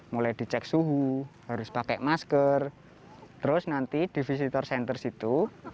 mulai dicek suhu harus pakai masker terus nanti di visitor center situ